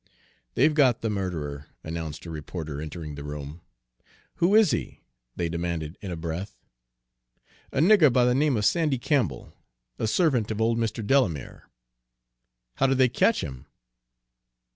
"They've got the murderer," announced a reporter, entering the room. "Who is he?" they demanded in a breath. "A nigger by the name of Sandy Campbell, a servant of old Mr. Delamere." "How did they catch him?"